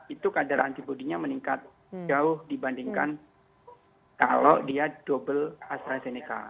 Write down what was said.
itu kadar antibody nya meningkat jauh dibandingkan kalau dia double astrazeneca